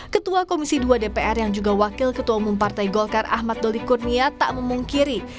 ketua komisi dua dpr yang juga wakil ketua umum partai golkar ahmad doli kurnia tak memungkiri